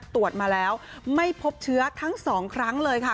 ตรวจมาแล้วไม่พบเชื้อทั้ง๒ครั้งเลยค่ะ